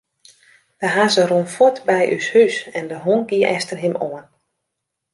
De hazze rûn fuort by ús hús en de hûn gie efter him oan.